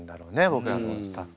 僕らのスタッフ。